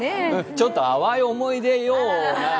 ちょっと淡い思い出よ。